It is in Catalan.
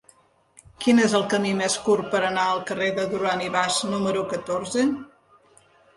Quin és el camí més curt per anar al carrer de Duran i Bas número catorze?